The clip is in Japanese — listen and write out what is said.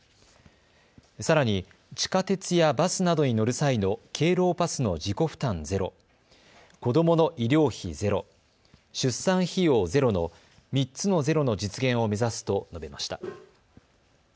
さらに地下鉄やバスなどに乗る際の敬老パスの自己負担ゼロ、子どもの医療費ゼロ、出産費用ゼロの３つのゼロの実現を目指すと述べました。